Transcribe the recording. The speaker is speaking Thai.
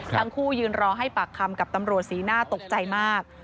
ยืนรอให้ปากคำกับตำรวจสีหน้าตกใจมาก